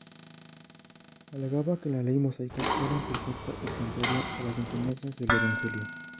Alegaba que la Ley mosaica era imperfecta y contraria a las enseñanzas del evangelio.